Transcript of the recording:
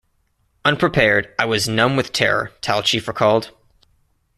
"Unprepared, I was numb with terror," Tallchief recalled.